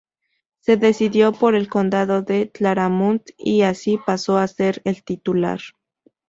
Se decidió por el condado de Claramunt y así paso a ser el titular.